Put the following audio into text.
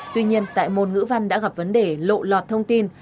tuy nhiên tại môn ngữ văn đã gặp vấn đề lộ lọt thông tin